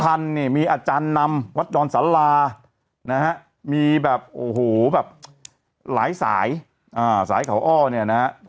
เนี่ยมีอาจารย์นำวัดดอนศาลานะฮะมีแบบโอ้โหแบบหลายสายสายเขาอ้อเนี่ยนะฮะ